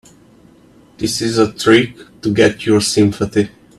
This is a trick to get your sympathy.